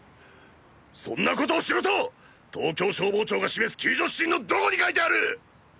そんな事をしろと東京消防庁が示す救助指針のどこに書いてある！！